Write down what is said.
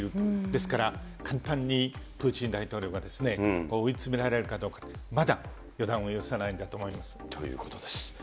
ですから、簡単にプーチン大統領が追いつめられるかどうか、まだ予断を許さということです。